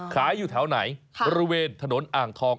อยู่แถวไหนบริเวณถนนอ่างทอง